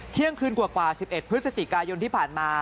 เที่ยงคืนกว่า๑๑พฤศจิกายนที่ผ่านมา